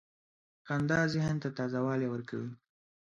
• خندا ذهن ته تازه والی ورکوي.